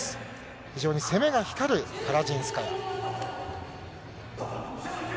非常に攻めが光るカラジンスカヤ。